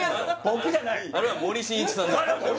僕じゃないあれは森進一さんだよ